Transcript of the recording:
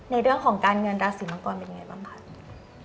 ในเรื่องของการเงินราศีมังกรเป็นยังไงบ้างคะ